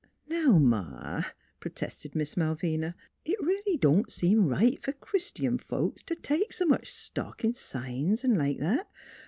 " Now, Ma," protested Miss Malvina, " it really don't seem right f'r Christian folks t' take s' much stock in signs 'n' like that.